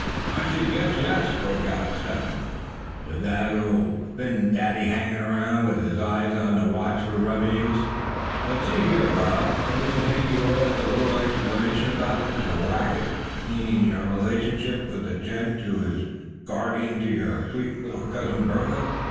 "I should guess yes," broke out Step Hen, "with that same Old Phin hangin' 'round with his eye on the watch for revenues. But see here, Bob, don't you think you owe us a little explanation about this racket meaning your relations with the gent who is guardian to your sweet little cousin Bertha?"